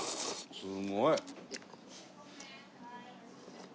すごい。